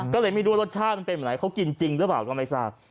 ก็เลยไม่รู้ว่ารสชาติมันเป็นแบบไหนเขากินจริงหรือเปล่าก็ไม่ทราบ